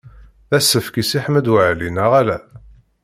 D asefk i Si Ḥmed Waɛli, neɣ ala?